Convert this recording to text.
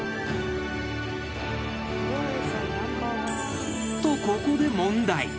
［とここで問題］